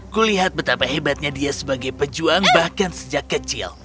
kulihat betapa hebatnya dia sebagai pejuang bahkan sejak kecil